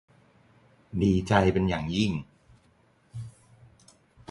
ดีใจเป็นอย่างยิ่ง